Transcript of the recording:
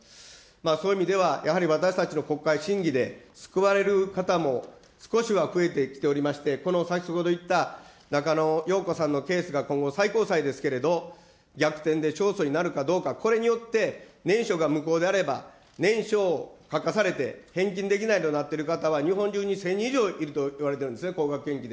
そういう意味では、やはり私たちの国会審議で救われる方も少しは増えてきておりまして、この先ほど言った中野容子さんのケースが今後最高裁ですけれども、逆転で勝訴になるかどうか、これによって、念書が無効であれば、念書を書かされて、返金できないとなってる方は日本中に１０００人以上いるといわれているんですね、高額献金で。